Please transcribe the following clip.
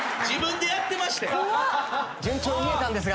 自分でやってましたやん。